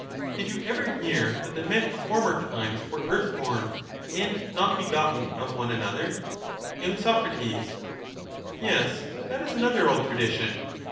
Did you ever hear that the men of former times were story of the earth bom, and not begotten of one another? earth bom y. Soc. Yes, that is another old tradition.